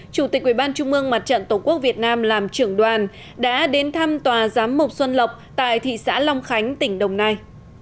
chủ tịch quỹ ban trung ương mặt trận tổ quốc việt nam làm trưởng đoàn đã đến thăm tòa giám mộc xuân lộc tại thị xã long khánh tỉnh đồng nai